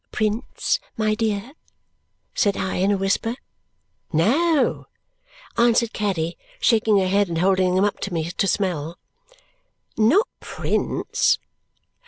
"Prince, my dear?" said I in a whisper. "No," answered Caddy, shaking her head and holding them to me to smell. "Not Prince."